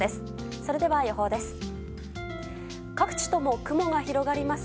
それでは予報です。